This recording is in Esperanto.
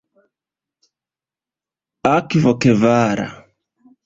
Akto kvara.